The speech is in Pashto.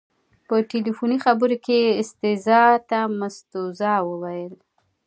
په تلیفوني خبرو کې یې استیضاح ته مستوزا وویل.